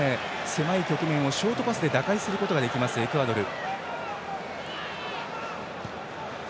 狭い局面をショートパスで打開することができますエクアドル。